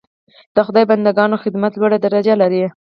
د خدای بنده ګانو خدمت لوړه درجه لري.